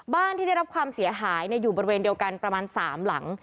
ที่ได้รับความเสียหายอยู่บริเวณเดียวกันประมาณ๓หลัง